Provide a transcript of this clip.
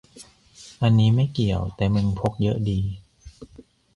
อันนี้ไม่เกี่ยว แต่มึงพกเยอะดี